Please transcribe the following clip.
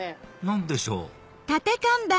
何でしょう？